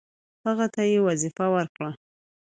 هغه ته یې وظیفه ورکړه.